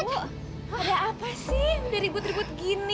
bu ada apa sih yang udah ribut ribut gini